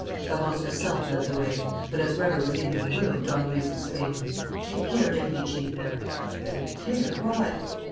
Florence herself led the way. But, as Weber was leaving the room, Don Luis exclaimed: "Take care, Deputy Chief!" "Take care? Why?"